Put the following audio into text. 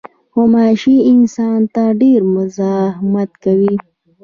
غوماشې انسان ته ډېر مزاحمت کوي.